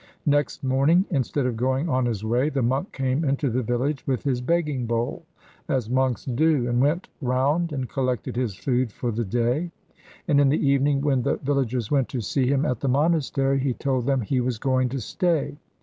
Next morning, instead of going on his way, the monk came into the village with his begging bowl, as monks do, and went round and collected his food for the day; and in the evening, when the villagers went to see him at the monastery, he told them he was going to stay.